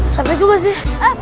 sampai juga sih